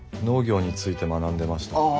農業について学んでました。